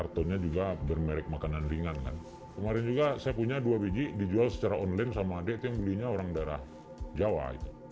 itu yang belinya orang darah jawa